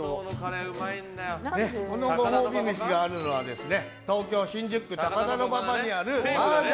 このご褒美飯があるのは東京・新宿区高田馬場にある麻雀